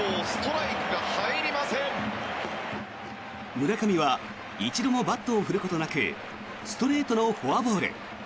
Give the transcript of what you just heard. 村上は一度もバットを振ることなくストレートのフォアボール。